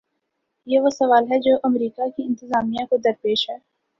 یہ وہ سوال ہے جو امریکہ کی انتظامیہ کو درپیش ہے۔